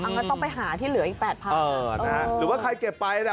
งั้นต้องไปหาที่เหลืออีกแปดพันเออนะฮะหรือว่าใครเก็บไปน่ะ